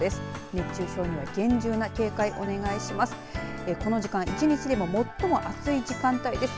熱中症に厳重な警戒お願いします。